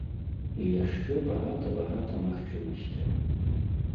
І яшчэ багата-багата магчымасцяў.